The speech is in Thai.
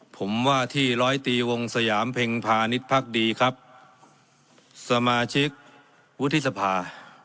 ผมว่าที่ร้อยตีวงสยามเพ็งพาณิชย์พักดีครับสมาชิกวุฒิสภา